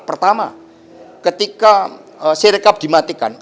pertama ketika sirekap dimatikan